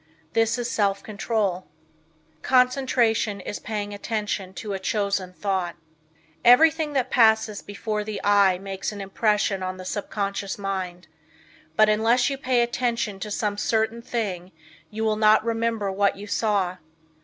This is self control. Concentration Is Paying Attention to a Chosen Thought. Everything that passes before the eye makes an impression on the subconscious mind, but unless you pay attention to some certain thing you will not remember what you saw.